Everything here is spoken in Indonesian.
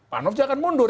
panof jangan mundur